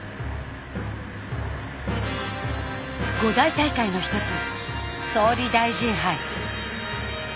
５大大会の一つ総理大臣杯。